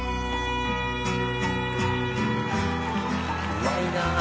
「うまいなあ！」